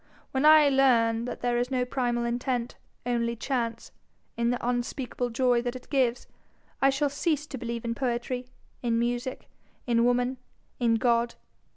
When I learn that there is no primal intent only chance in the unspeakable joy that it gives, I shall cease to believe in poetry, in music, in woman, in God.